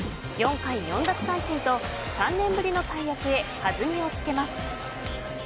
４回４奪三振と３年ぶりの大役へ弾みをつけます。